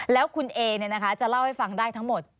แล้วคุณเอจะเล่าให้ฟังได้ทั้งหมด